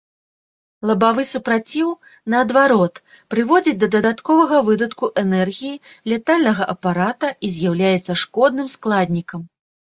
Лабавы супраціў, наадварот, прыводзіць да дадатковага выдатку энергіі лятальнага апарата і з'яўляецца шкодным складнікам.